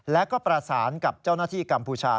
แล้วก็ประสานกับเจ้าหน้าที่กัมพูชา